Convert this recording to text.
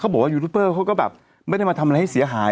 บอกว่ายูทูปเปอร์เขาก็แบบไม่ได้มาทำอะไรให้เสียหาย